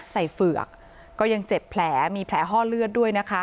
เฝือกก็ยังเจ็บแผลมีแผลห้อเลือดด้วยนะคะ